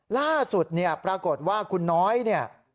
ล่าสุดเนี่ยปรากฏว่าคุณน้อยเนี่ย